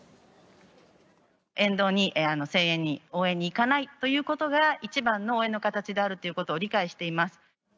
沿道に、声援に、応援に行かないということが、一番の応援の形であるってことを理解しています。